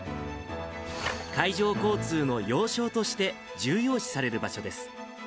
海上交通の要衝として重要視される場所です。